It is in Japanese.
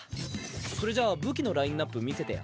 それじゃあ武器のラインナップ見せてよ。